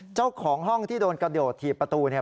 เจ้าของห้องที่โดนกระโดดถีบประตูเนี่ย